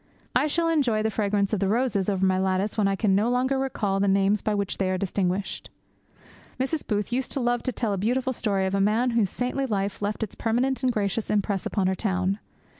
I shall enjoy the fragrance of the roses over my lattice when I can no longer recall the names by which they are distinguished. Mrs. Booth used to love to tell a beautiful story of a man whose saintly life left its permanent and gracious impress upon her own.